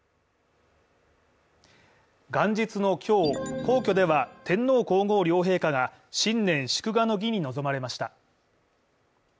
元日の今日、皇居では天皇皇后両陛下が新年祝賀の儀に臨まれました。